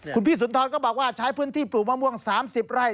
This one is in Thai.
คุณพี่สุนทรก็บอกว่าใช้พื้นที่ปลูกมะม่วง๓๐ไร่